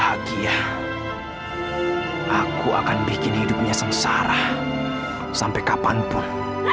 bahagia aku akan bikin hidupnya sengsara sampai kapanpun